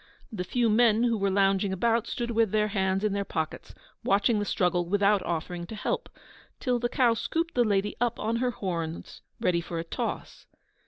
The few men who were lounging about stood with their hands in their pockets, watching the struggle without offering to help, till the cow scooped the lady up on her horns, ready for a toss.